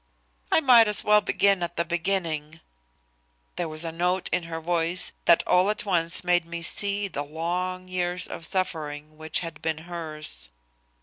"I might as well begin at the beginning." There was a note in her voice that all at once made me see the long years of suffering which had been hers.